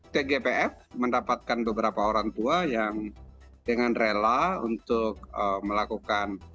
tgpf mendapatkan beberapa orang tua yang dengan rela untuk melakukan